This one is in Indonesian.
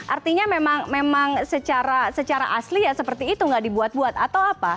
artinya memang secara asli ya seperti itu nggak dibuat buat atau apa